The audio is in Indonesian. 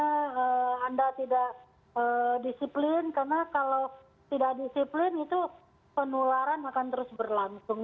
karena anda tidak disiplin karena kalau tidak disiplin itu penularan akan terus berlangsung